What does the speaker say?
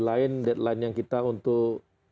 lain deadline yang kita untuk